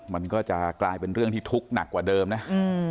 มันก็จะกลายเป็นเรื่องที่ทุกข์หนักกว่าเดิมนะ